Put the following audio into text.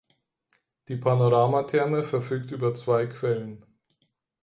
Die Panorama Therme verfügt über zwei Quellen.